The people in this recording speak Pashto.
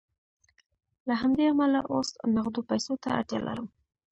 له همدې امله اوس نغدو پیسو ته اړتیا لرم